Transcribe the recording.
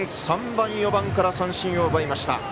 ３番、４番から三振を奪いました。